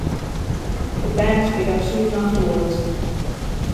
The band split up soon afterwards.